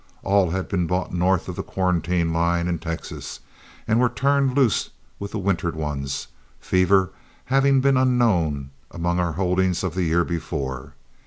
All these had been bought north of the quarantine line in Texas, and were turned loose with the wintered ones, fever having been unknown among our holdings of the year before.